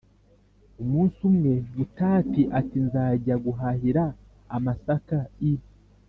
Umunsi umwe, Butati ati: “Nzajya guhahira amasaka i